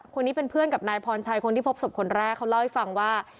คนนี้เป็นเพื่อนกับนายพรชัยคนที่พบศพคนแรกเขาเล่าให้ฟังว่า